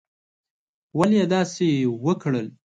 ولي یې داسي وکړل؟